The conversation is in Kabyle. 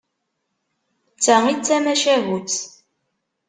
D ta i d-tamacahut.